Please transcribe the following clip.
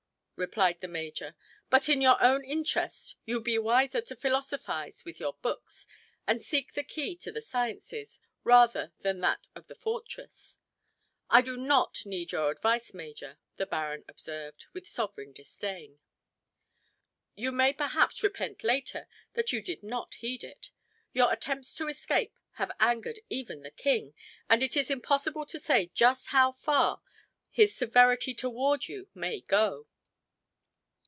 replied the major, "but in your own interests you would be wiser to philosophize with your books, and seek the key to the sciences, rather than that of the fortress." "I do not need your advice, major," the baron observed, with sovereign disdain. "You may perhaps repent later that you did not heed it. Your attempts to escape have angered even the king, and it is impossible to say just how far his severity toward you may go."